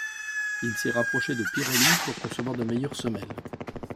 Il s'est rapproché de Pirelli pour concevoir de meilleures semelles.